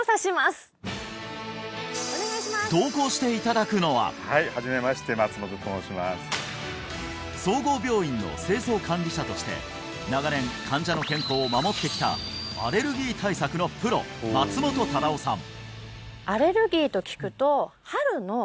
そこではいはじめまして松本と申します総合病院の清掃管理者として長年患者の健康を守ってきたアレルギー対策のプロ松本忠男さん